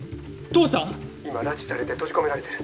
今拉致されて閉じ込められてる。